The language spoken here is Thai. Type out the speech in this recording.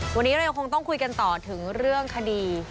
วันนี้เรายังคงต้องคุยกันต่อถึงเรื่องคดี